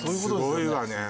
すごいわね。